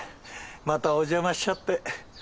またお邪魔しちゃって。